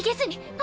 あ。